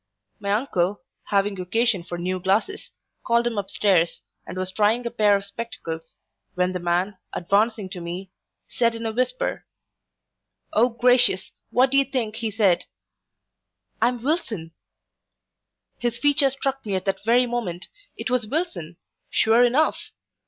My uncle, having occasion for new glasses, called him up stairs, and was trying a pair of spectacles, when the man, advancing to me, said in a whisper O gracious! what d'ye think he said? 'I am Wilson!' His features struck me that very moment it was Wilson, sure enough!